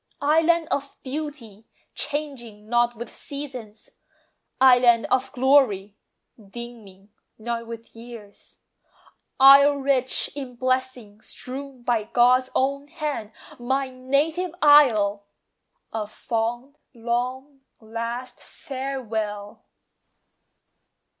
Island of beauty, changing not with seasons; Island of glory, dimming not with years; Isle rich in blessings strewn by God's own hand, My native Isle! A fond long last farewell!